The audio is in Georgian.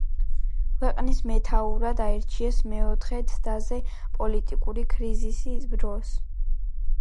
ქვეყნის მეთაურად აირჩიეს მეოთხე ცდაზე პოლიტიკური კრიზისის დროს.